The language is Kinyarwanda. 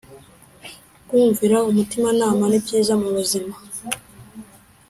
kumvira umutima nama nibyiza mubuzima